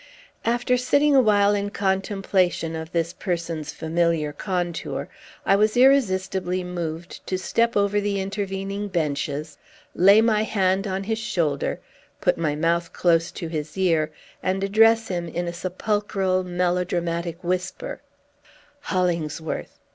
After sitting awhile in contemplation of this person's familiar contour, I was irresistibly moved to step over the intervening benches, lay my hand on his shoulder, put my mouth close to his ear, and address him in a sepulchral, melodramatic whisper: "Hollingsworth!